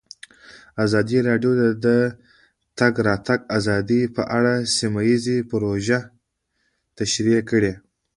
ازادي راډیو د د تګ راتګ ازادي په اړه سیمه ییزې پروژې تشریح کړې.